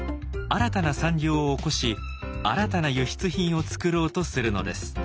新たな産業を興し新たな輸出品を作ろうとするのです。